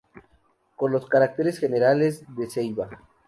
Con los caracteres generales de "Ceiba".